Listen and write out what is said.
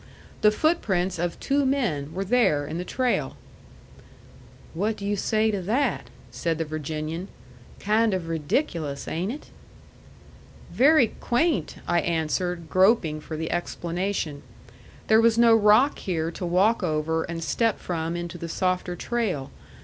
The footprints of two men were there in the trail. "What do you say to that?" said the Virginian. "Kind of ridiculous, ain't it?" "Very quaint," I answered, groping for the explanation. There was no rock here to walk over and step from into the softer trail.